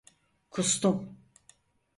Kustum.